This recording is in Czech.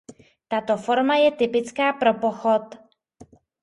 Tato forma je typická pro pochod.